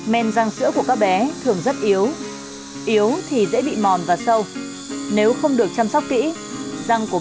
men răng sữa của các bé thường rất yếu yếu thì dễ bị mòn và sâu nếu không được chăm sóc kỹ răng của